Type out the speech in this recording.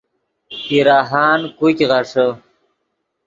پیراہان کوګ غیݰے